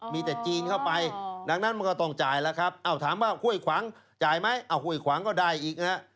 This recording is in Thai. มีแต่จีนเข้าไปดังนั้นมันก็ต้องจ่ายแล้วครับถามว่าห้วยขวางจ่ายไหมห้วยขวางก็ได้อีกนะฮะ